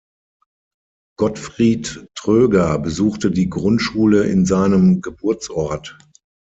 Gottfried Tröger besuchte die Grundschule in seinem Geburtsort.